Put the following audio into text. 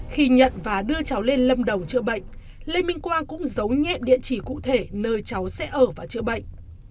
khi nhận và đưa cháu lên lâm đồng chữa bệnh lê minh quang cũng giấu nhẹ địa chỉ cụ thể nơi cháu sẽ ở và chữa bệnh